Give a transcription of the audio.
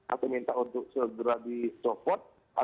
atau minta untuk selalu dipergunakan